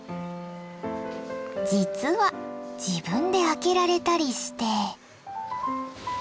実は自分で開けられたりして。